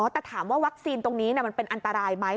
แต่ถามว่าวัคซีนตรงนี้มันเป็นอันตรายไหม